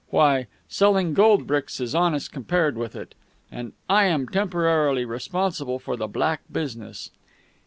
Why, selling gold bricks is honest compared with it. And I am temporarily responsible for the black business!"